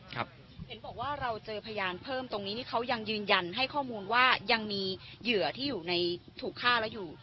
เห็นบอกว่าเราเจอพยานเพิ่มตรงนี้ที่เขายังยืนยันให้ข้อมูลว่ายังมีเหยื่อที่อยู่ในถูกฆ่าแล้วอยู่